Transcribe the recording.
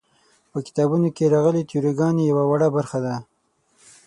په کتابونو کې راغلې تیوري ګانې یوه وړه برخه ده.